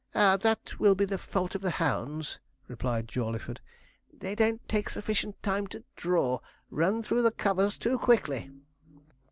'Ah! that will be the fault of the hounds,' replied Jawleyford; 'they don't take sufficient time to draw run through the covers too quickly.'